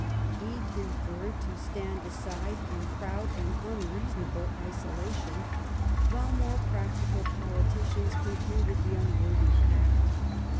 He preferred to stand aside in proud and unreasonable isolation, while more practical politicians concluded the unworthy pact.